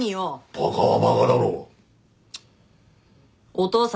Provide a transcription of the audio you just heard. バカはバカだろう。